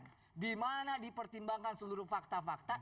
nah di mana dipertimbangkan seluruh fakta fakta